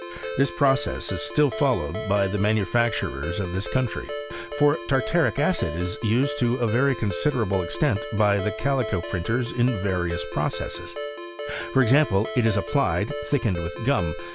This procesE is still followed by the manufacturers of this countfT ; for tartaric acid is used to a rery considerable extent by the callco printerB, in various processes ; for example, it is ap plied, thickened with gum.